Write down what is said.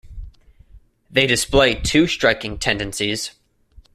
They display two striking tendencies.